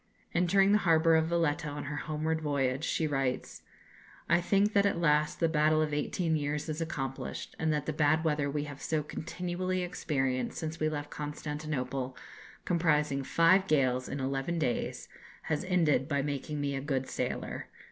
Entering the harbour of Valetta on her homeward voyage, she writes: "I think that at last the battle of eighteen years is accomplished, and that the bad weather we have so continually experienced since we left Constantinople, comprising five gales in eleven days, has ended by making me a good sailor.